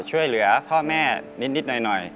ช่วยเหลือพ่อแม่นิดหน่อย